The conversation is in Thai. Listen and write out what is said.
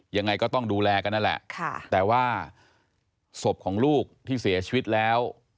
ยังไงก็ต้องดูแลกันนั่นแหละแต่ว่าศพของลูกที่เสียชีวิตแล้ว